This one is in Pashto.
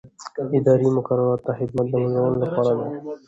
اداري مقررات د خدمت د منظمولو لپاره دي.